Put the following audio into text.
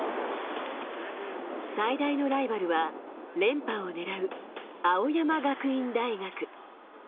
最大のライバルは、連覇を狙う青山学院大学。